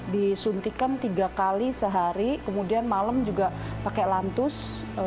disuntikan tiga kali sehari kemudian malam juga pakai lantus